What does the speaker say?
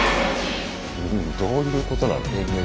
どういうことなのよ。